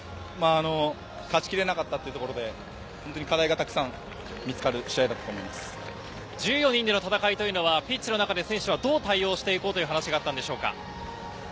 勝ち切れなかったということで課題がたくさん見つかる試合だ１４人での戦いはピッチの中で、選手はどう対応していこうという話だったのでしょうか？